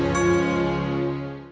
untuk menjaga keamanan